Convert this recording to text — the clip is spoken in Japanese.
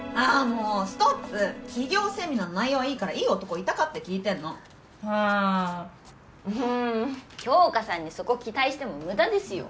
もうストップ起業セミナーの内容はいいからいい男いたかって聞いてんのああうーん杏花さんにそこ期待しても無駄ですよ